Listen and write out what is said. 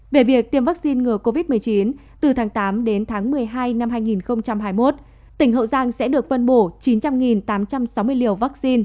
về việc tiêm vaccine ngừa covid một mươi chín từ tháng tám đến tháng một mươi hai năm hai nghìn hai mươi một tỉnh hậu giang sẽ được phân bổ chín trăm linh tám trăm sáu mươi liều vaccine